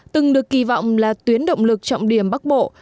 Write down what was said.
đừng được kỳ vọng là tuyến động lực trọng điểm bắt bộ